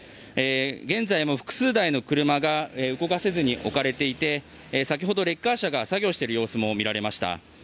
現在も複数台の車が動かせずに置かれていて先ほどレッカー車が作業している様子も見られました。